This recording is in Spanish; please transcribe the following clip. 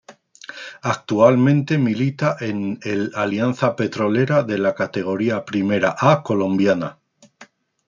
Actualmente milita en el Alianza Petrolera de la Categoría Primera A colombiana.